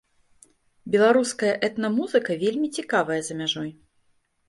Беларуская этна-музыка вельмі цікавая за мяжой.